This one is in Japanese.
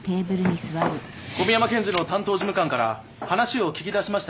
小宮山検事の担当事務官から話を聞き出しましたよ。